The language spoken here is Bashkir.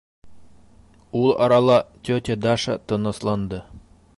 Ул арала тетя Даша тынысланды.